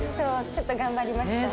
ちょっと頑張りました。